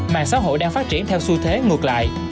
mạng xã hội đang phát triển theo xu thế ngược lại